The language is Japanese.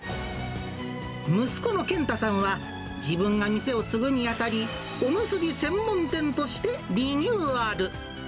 息子の健太さんは、自分が店を継ぐにあたり、おむすび専門店としてリニューアル。